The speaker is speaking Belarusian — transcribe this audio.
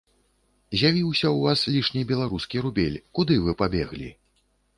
З'явіўся ў вас лішні беларускі рубель, куды вы пабеглі?